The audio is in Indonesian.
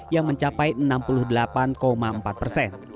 yang mencapai enam puluh delapan empat persen